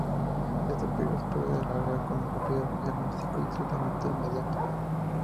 Este período se puede alargar con un rápido diagnóstico y un tratamiento inmediato.